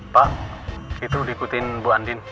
pak itu diikutin bu andin